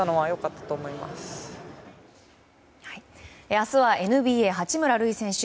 明日はＮＢＡ八村塁選手